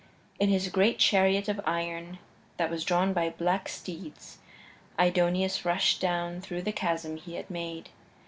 In his great chariot of iron that was drawn by black steeds Aidoneus rushed down through the chasm he had made.